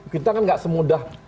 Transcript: kita kan nggak semudah